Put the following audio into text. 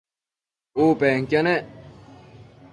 U penquio nec